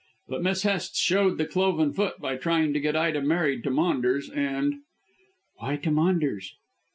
But Miss Hest showed the cloven foot by trying to get Ida married to Maunders, and " "Why to Maunders?"